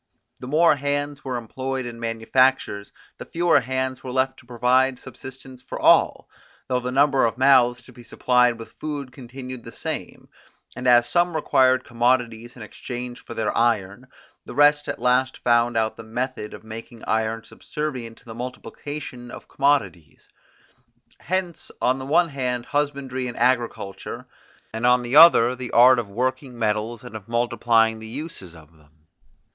The more hands were employed in manufactures, the fewer hands were left to provide subsistence for all, though the number of mouths to be supplied with food continued the same; and as some required commodities in exchange for their iron, the rest at last found out the method of making iron subservient to the multiplication of commodities. Hence on the one hand husbandry and agriculture, and on the other the art of working metals and of multiplying the uses of them.